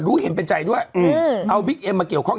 รู้เห็นเป็นใจด้วยอืมเอาบิ๊กเอ็มมาเกี่ยวข้อง